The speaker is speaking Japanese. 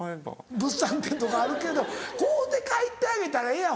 物産展とかあるけど買うて帰ってあげたらええやん。